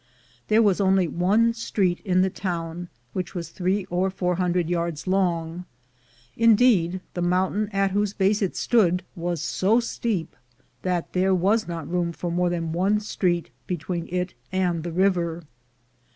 There was only one street in the town, which was three or four hundred yards long; indeed, the mountain at whose base it stood was so steep that there was not room for more than one street between it and the river.